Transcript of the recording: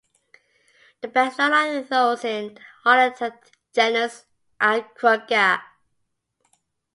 The best known are those in the Holarctic genus "Agroeca".